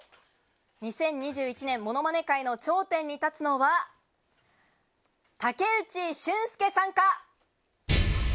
２０２１年ものまね界の頂点に立つのは、武内駿輔さんか。